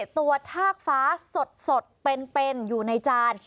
ตัวทากฟ้าสดเป็นอยู่ในจาน